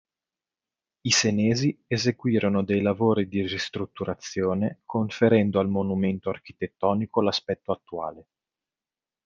I Senesi eseguirono dei lavori di ristrutturazione, conferendo al monumento architettonico l'aspetto attuale.